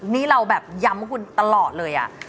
นี่เราแบบย้ำคุณตลอดเลย